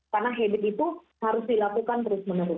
karena habit itu harus dilakukan terus menerus